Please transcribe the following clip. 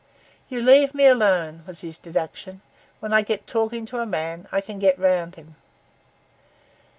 'You leave me alone,' was his deduction. 'When I get talking to a man, I can get round him.